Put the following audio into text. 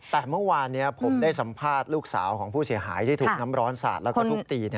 แต่เมื่อวานผมได้สัมภาษณ์ลูกสาวของผู้เสียหายที่ถูกน้ำร้อนสาดแล้วก็ทุบตี